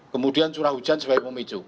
kemudian curah hujan sebagai pemicu